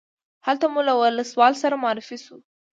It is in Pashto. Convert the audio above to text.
هلته مو له ولسوال سره معرفي شوو.